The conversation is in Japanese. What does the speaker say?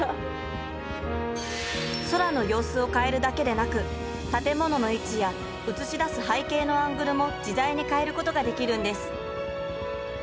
空の様子を変えるだけでなく建物の位置や映し出す背景のアングルも自在に変えることができるんです